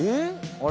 あれ？